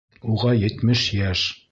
Уға етмеш йәш.